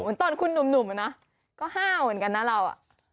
เหมือนตอนคุณหนุ่มอะนะก็ห้าวเหมือนกันนะเราอ่ะ